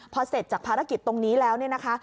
พอเสร็จจากภารกิจตรงนี้แล้วเนี่ยนะคะ